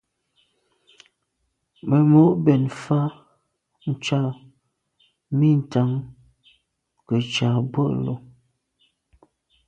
Memo’ bèn mfa’ ntsha mi ntàn ke ntsha bwe’e lo.